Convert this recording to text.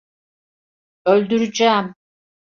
Öldüreceğim.